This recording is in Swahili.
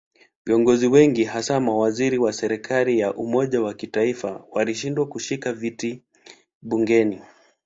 Viongozi wengi hasa mawaziri wa serikali ya umoja wa kitaifa walishindwa kushika viti bungeni.